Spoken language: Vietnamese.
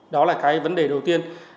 đó là cái vấn đề đầu tiên